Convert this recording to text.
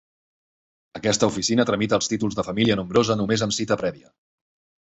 Aquesta oficina tramita els Títols de Família Nombrosa només amb cita prèvia.